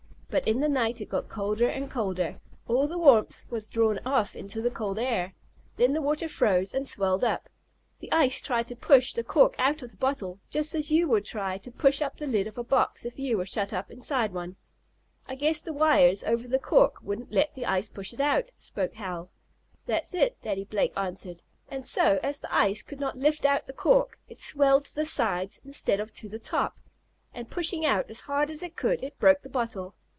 But in the night it got colder and colder. All the warmth was drawn off into the cold air. Then the water froze, and swelled up. The ice tried to push the cork out of the bottle, just as you would try to push up the lid of a box if you were shut up inside one." "I guess the wires over the cork wouldn't let the ice push it out," spoke Hal. "That's it," Daddy Blake answered. "And so, as the ice could not lift out the cork, it swelled to the sides, instead of to the top, and pushing out as hard as it could, it broke the bottle.